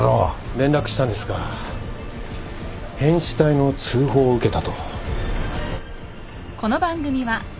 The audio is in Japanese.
連絡したんですが変死体の通報を受けたと。